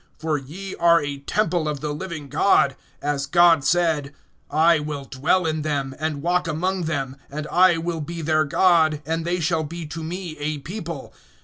For ye are a temple of the living God; as God said: I will dwell in them, and walk among them; and I will be their God, and they shall be to me a people.